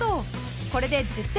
これで１０点。